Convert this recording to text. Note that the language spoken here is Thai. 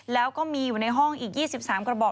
แล้วก็มีอยู่ในห้องอีก๒๓กระบอก